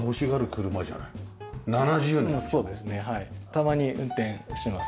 たまに運転します。